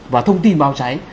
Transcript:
và thông tin báo cháy